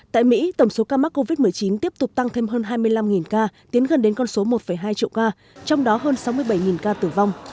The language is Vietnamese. tại mỹ tổng số ca mắc covid một mươi chín tiếp tục tăng thêm hơn hai mươi năm ca tiến gần đến con số một hai triệu ca trong đó hơn sáu mươi bảy ca tử vong